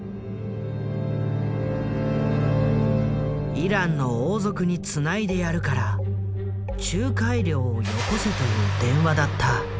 イランの王族につないでやるから仲介料をよこせという電話だった。